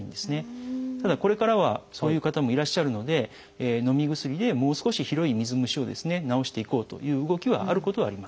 ただこれからはそういう方もいらっしゃるのでのみ薬でもう少し広い水虫をですね治していこうという動きはあることはあります。